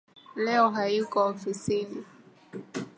Leo hayuko ofisini